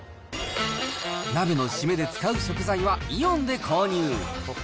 鍋の締めで使う食材はイオンで購入。